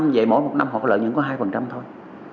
vậy mỗi một năm họ lợi nhuận có hai thôi